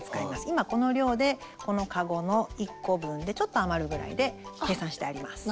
今この量でこのかごの１個分でちょっと余るぐらいで計算してあります。